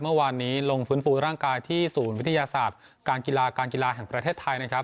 เมื่อวานนี้ลงฟื้นฟูร่างกายที่ศูนย์วิทยาศาสตร์การกีฬาการกีฬาแห่งประเทศไทยนะครับ